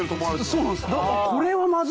そうなんです。